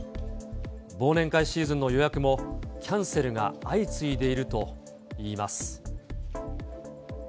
忘年会シーズンの予約もキャンセルが相次いでいるといいます。